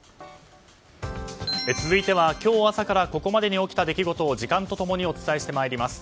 続いては今日朝からここまでに起きた出来事を時間と共にお伝えしてまいります。